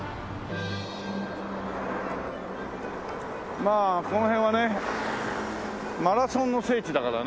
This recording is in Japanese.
まあこの辺はねマラソンの聖地だからね。